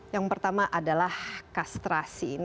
yang pertama adalah kastrasi